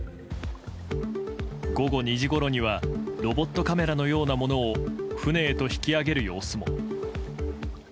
午後２時ごろにはロボットカメラのようなものを船へと引き揚げる様子も。